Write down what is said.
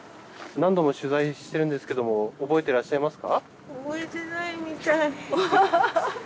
何度も取材してるんですけども覚えていらっしゃいますか？